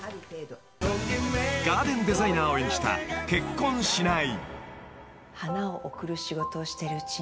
［ガーデンデザイナーを演じた『結婚しない』］